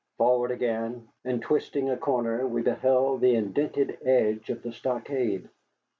Forward again, and twisting a corner, we beheld the indented edge of the stockade.